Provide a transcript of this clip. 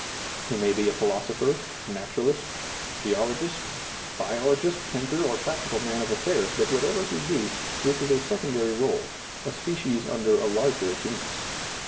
He may be philosopher, naturalist, geologist, biologist, thinker, or practical man of affairs, but whatever he be, this is a sec ondary r61e, a species under a larger genus.